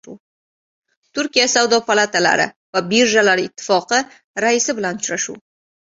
Turkiya savdo palatalari va birjalari ittifoqi raisi bilan uchrashuv